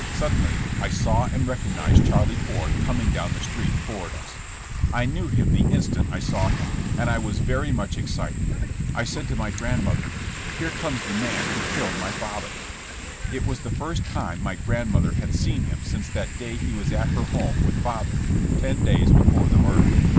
Suddenly I saw and recognized Charlie Ford coming down the street toward us. I knew him the instant I saw him, and I was very much excited. I said to my grandmother: 18 JESSE JAMES. "Here comes the man who killed my father." It was the first time my grandmother had seen him since that day he was at her home with father, ten days before the murder.